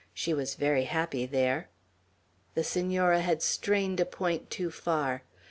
She was very happy there." The Senora had strained a point too far.